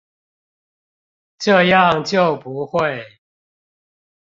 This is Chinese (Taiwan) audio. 這樣就不會